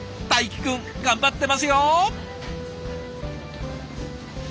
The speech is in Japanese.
泰紀君頑張ってますよ！